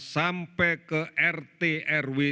sampai ke rt rw